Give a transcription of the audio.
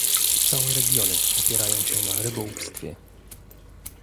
Całe regiony opierają się na rybołówstwie